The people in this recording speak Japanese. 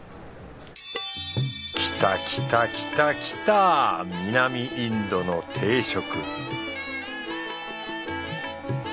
来た来た来た来た南インドの定食